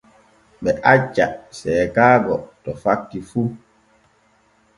Ɓe acca seekaago to fakki fu.